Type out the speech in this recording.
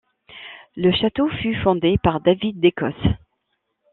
Le château fut fondé par David d'Écosse.